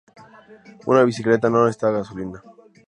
Una bicicleta no necesita gasolina.